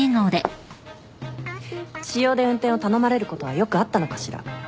私用で運転を頼まれることはよくあったのかしら？